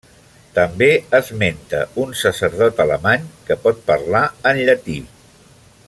També esmenta un sacerdot alemany, que pot parlar en llatí.